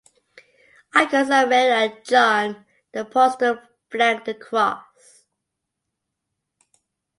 Icons of Mary and John the Apostle flank the cross.